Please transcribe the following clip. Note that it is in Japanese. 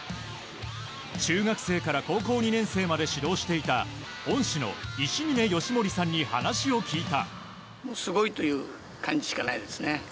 中学生から高校２年生まで指導していた恩師の伊志嶺吉盛さんに話を聞いた。